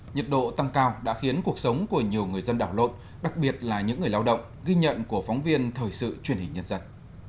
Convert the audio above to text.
nhiệt độ tăng cao đã khiến cuộc sống của nhiều người dân đảo lộn đặc biệt là những người lao động ghi nhận của phóng viên thời sự truyền hình nhân dân